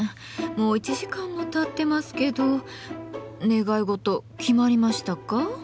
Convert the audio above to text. もう１時間もたってますけど願い事決まりましたか？